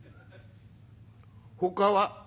「ほかは？」。